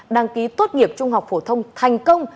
đăng ký tốt nghiệp trung học phổ thông thành công